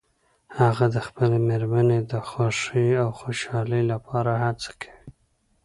هغه د خپلې مېرمنې د خوښې او خوشحالۍ لپاره هڅه کوي